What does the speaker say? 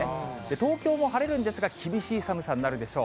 東京も晴れるんですが、厳しい寒さになるでしょう。